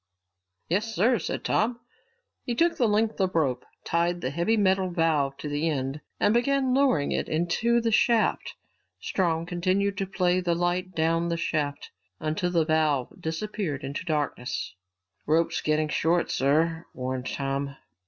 "Yes, sir," said Tom. He took the length of rope, tied the heavy metal valve to the end, and began lowering it into the shaft. Strong continued to play the light down the shaft until the valve disappeared into the darkness. "Rope's getting short, sir," warned Tom.